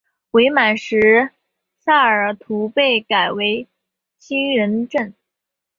伪满时萨尔图被改为兴仁镇。